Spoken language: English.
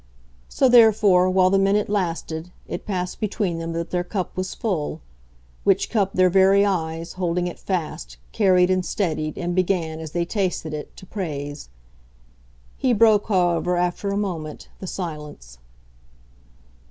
So, therefore, while the minute lasted, it passed between them that their cup was full; which cup their very eyes, holding it fast, carried and steadied and began, as they tasted it, to praise. He broke, however, after a moment, the silence.